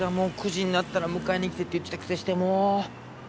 ９時になったら迎えに来てって言ってたくせしてもう。